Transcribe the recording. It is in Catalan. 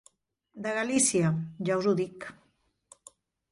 De Galícia, ja us ho dic.